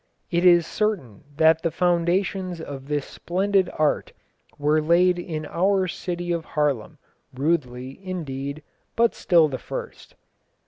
It is certain that the foundations of this splendid art were laid in our city of Haarlem, rudely, indeed, but still the first."